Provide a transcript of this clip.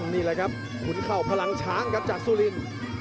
นี่แหละครับขุนเข้าพลังช้างครับจากซู่ลิน